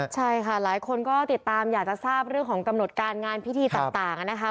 ใช่ค่ะหลายคนก็ติดตามอยากจะทราบเรื่องของกำหนดการงานพิธีต่างนะคะ